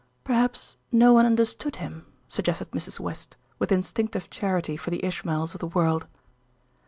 "Perhaps no one understood him," suggested Mrs. West, with instinctive charity for the Ishmaels of the world.